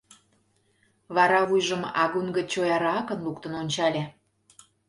Вара вуйжым агун гыч чояракын луктын ончале.